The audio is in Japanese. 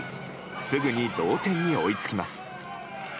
すぐに同点に追いつきます。